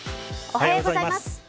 おはようございます。